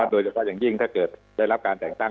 โดยเฉพาะอย่างยิ่งถ้าเกิดได้รับการแต่งตั้ง